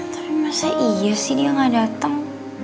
tapi masa iya sih dia gak dateng